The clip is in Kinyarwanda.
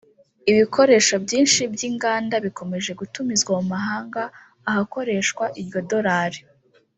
ibikoresho byinshi by’inganda bikomeje gutumizwa mu mahanga ahakoreshwa iryo dolari